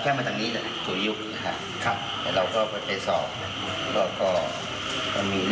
ในอดีตที่เป็นนี่